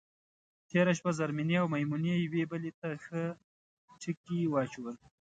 تېره شپه زرمېنې او میمونې یوې بدلې ته ښه ټکي واچول.